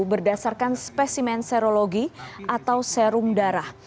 berdasarkan spesimen serologi atau serum darah